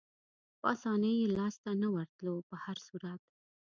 په اسانۍ یې لاسته نه ورتلو، په هر صورت.